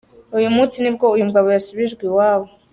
Uyu munsi nibwo uyu mugabo yasubijwe iwabo.